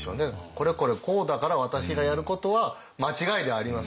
これこれこうだから私がやることは間違いではありません。